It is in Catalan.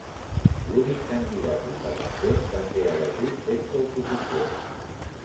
L'únic candidat independent va ser elegit sense oposició.